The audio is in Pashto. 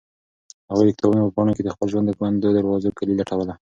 هغوی د کتابونو په پاڼو کې د خپل ژوند د بندو دروازو کیلي لټوله.